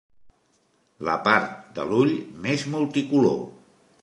La part de l'ull més multicolor.